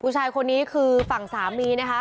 ผู้ชายคนนี้คือฝั่งสามีนะคะ